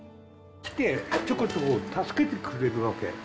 来てちょこちょこ助けてくれるわけ。